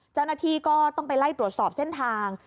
เจ้าหน้าที่ก็ต้องไปไล่ตรวจสอบเส้นทาง